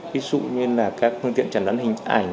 ví dụ như là các phương tiện chẩn đoán hình ảnh